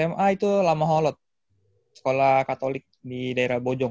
sma itu lama holod sekolah katolik di daerah bojong